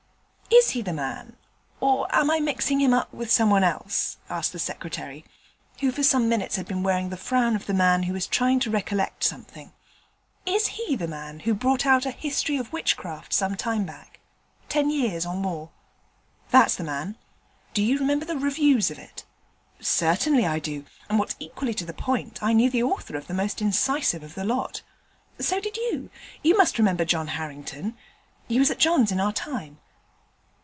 'Is he the man, or am I mixing him up with someone else?' asked the Secretary (who for some minutes had been wearing the frown of the man who is trying to recollect something). 'Is he the man who brought out a History of Witchcraft some time back ten years or more?' 'That's the man; do you remember the reviews of it?' 'Certainly I do; and what's equally to the point, I knew the author of the most incisive of the lot. So did you: you must remember John Harrington; he was at John's in our time.'